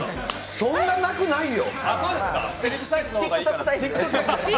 そんななくないよ。